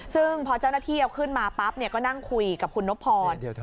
ซึ่งพอเจ้าหน้าที่เอาขึ้นมาปั๊บก็นั่งคุยกับคุณนพพร